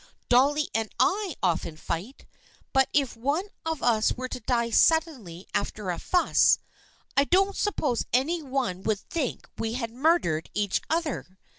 Dolly and I often fight, but if one of us were to die suddenly after a fuss, I don't suppose any one would think we had mur dered each other!